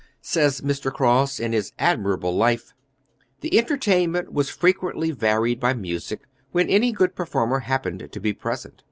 Says Mr. Cross, in his admirable life: "The entertainment was frequently varied by music when any good performer happened to be present.